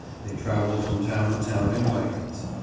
They traveled from town to town in wagons.